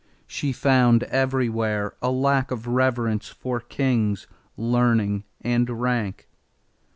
She found everywhere a lack of reverence for kings, learning, and rank.